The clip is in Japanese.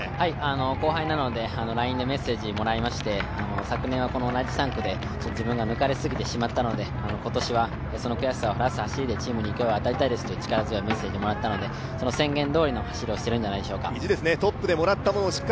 後輩なのでＬＩＮＥでメッセージもらいまして昨年は同じ３区で自分が抜かれすぎてしまったので、今年はその悔しさを晴らす走りでチームに勢いを与えたいですという力強いメッセージをもらったのでその宣言どおりの走りをしているんじゃないでしょうか。